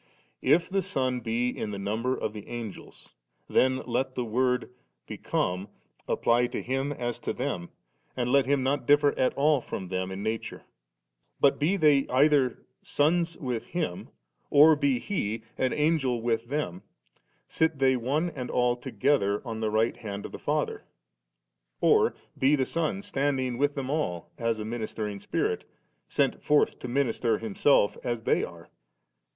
If the Son be in the number of the Angels, then let the word * become ' apply to Him as to them, and let Him not differ at all from them in nature ; but be they either sons with Him, or be He an Angel with them ; sit they one and all together on the right hand of the Father, or be the Son standing with them all as a ministering Spirit, sent forth to minister Himself as they are.